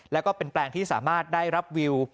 แล้วก็เป็นแปลงที่สามารถได้รับวิว